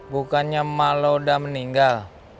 bukannya emak lo udah meninggal